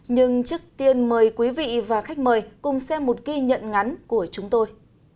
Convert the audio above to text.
nhưng trước tiên mời quý vị và khách mời cùng xem một ghi nhận ngắn của chúng tôi